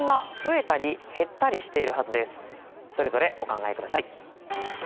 それぞれお考えください。